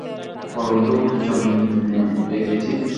বলুন তো কি জন্যে ডেকেছি?